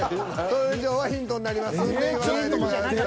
それ以上はヒントになりますんで言わないでください。